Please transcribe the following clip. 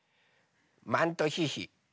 マントヒヒ。